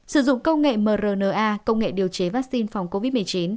sử dụng công nghệ mrna công nghệ điều chế vaccine phòng covid một mươi chín